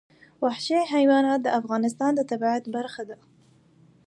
وحشي حیوانات د افغانستان د طبیعت برخه ده.